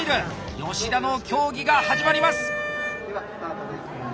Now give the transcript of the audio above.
吉田の競技が始まります！